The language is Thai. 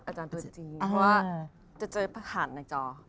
อาจารย์พื้นจริงว่าจะเจอพระหันท์ในจร